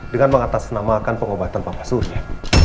dengan mengatasnamakan pengobatan papa surya